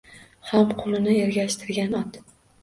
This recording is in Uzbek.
Ham qulunin ergashtirgan ot…